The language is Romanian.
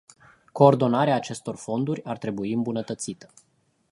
Coordonarea acestor fonduri ar trebui îmbunătățită.